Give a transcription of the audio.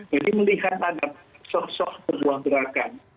jadi melihat ada sosok sosok pergerakan